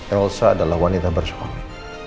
elsa adalah wanita bersuami